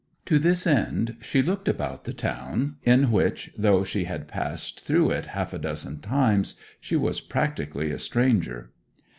To this end she looked about the town, in which, though she had passed through it half a dozen times, she was practically a stranger.